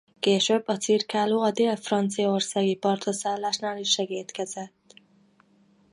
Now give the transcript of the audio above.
Később a cirkáló a Dél-franciaországi partraszállásnál is segédkezett.